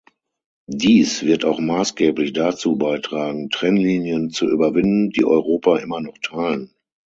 Dies wird auch maßgeblich dazu beitragen, Trennlinien zu überwinden, die Europa immer noch teilen.